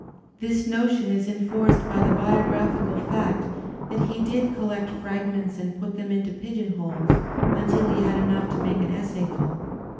This notion is enforced by the biographical .' fact that he did collect fragments and put them into pigeon holes until he had enough to make an essayful.